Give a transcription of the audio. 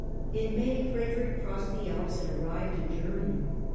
In May Frederick crossed the Alps and arrived in Germany.